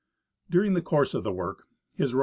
During the course of the work, H.R.H.